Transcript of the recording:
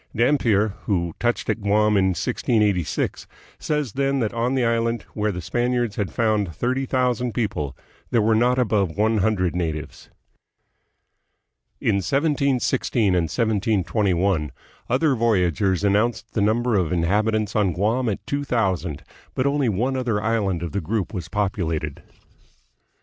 Dampier, who touched at Guam in 1686, says then that on the island, where the Spaniards had found thirty thousand people, there were not above one hundred natives. In 1716 and 1721 other voyagers announced the number of inhabitants on Guam at two thousand, but only one other island of the group was populated.